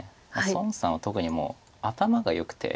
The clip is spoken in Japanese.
孫さんは特にもう頭がよくて。